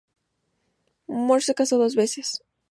Moore se casó dos veces.